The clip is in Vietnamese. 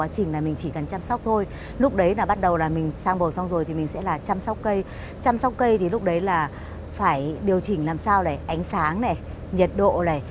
chăm sóc cây thì lúc đấy là phải điều chỉnh làm sao này ánh sáng này nhiệt độ này